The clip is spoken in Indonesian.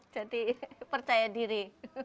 jadi percaya diri